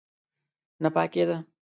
نه پاکېده.